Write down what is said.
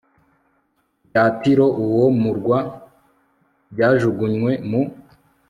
bya Tiro uwo murwa byajugunywe mu